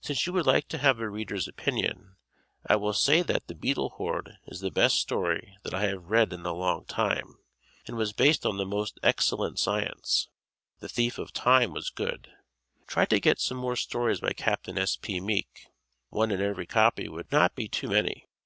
Since you would like to have a reader's opinion, I will say that "The Beetle Horde" is the best story that I have read in a long time and was based on the most excellent science; "The Thief of Time" was good; try to get some more stories by Capt. S. P. Meek; one in every copy would not be too many.